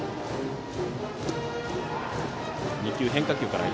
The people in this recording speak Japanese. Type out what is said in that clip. ２球、変化球から。